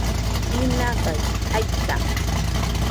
binagai jaita